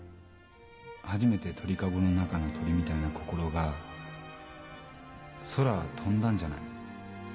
初めて鳥籠の中の鳥みたいな心が空飛んだんじゃない？